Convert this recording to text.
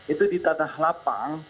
itu di tanah lapang